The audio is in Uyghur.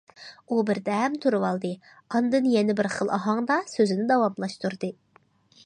ئۇ بىردەم تۇرۇۋالدى، ئاندىن يەنە بىر خىل ئاھاڭدا سۆزىنى داۋاملاشتۇردى.